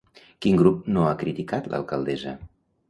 Quin grup no ha criticat l'alcaldessa?